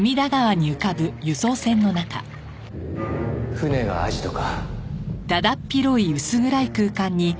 船がアジトか。